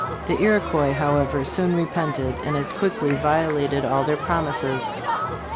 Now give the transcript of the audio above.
The Iroquois, however, soon repented and as quickly violated all their promises.